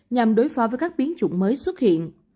nhằm đối phó với các biến chủng mới xuất hiện